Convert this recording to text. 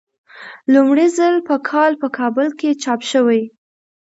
لومړی ځل په کال په کابل کې چاپ شوی.